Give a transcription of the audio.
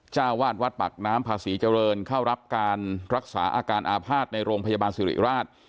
เจ้าวาดวัดปากน้ำพาศรีเจริญเข้ารับการรักษาอาการอาภาษณ์ในโรงพยาบาลสิริราช